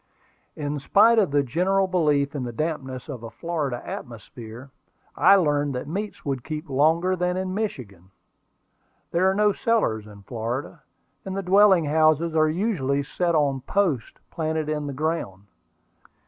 In spite of the general belief in the dampness of a Florida atmosphere, I learned that meats would keep longer than in Michigan. There are no cellars in Florida, and the dwelling houses are usually set on posts planted in the ground.